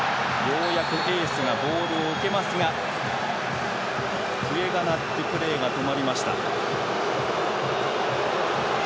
ようやくエースがボールを受けますが笛が鳴ってプレーが止まりました。